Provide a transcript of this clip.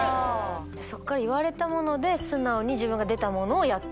そっから言われたもので素直に自分が出たものをやってらっしゃる？